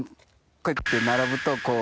こうやって並ぶとこう。